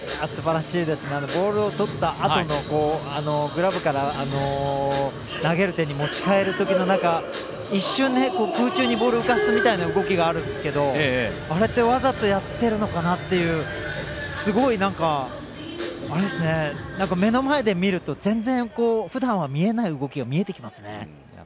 すばらしいですね、ボールを取ったあとのグラブから投げる手に持ち替えるときの一瞬空中にボールを浮かすみたいな動きがあるんですけどあれってわざとやってるのかなっていう、すごい、目の前で見ると全然、ふだんは見えない動きが見えてきますね。